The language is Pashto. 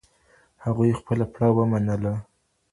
هغوی خپله پړه ومنله.